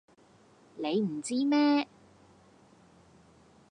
你唔知咩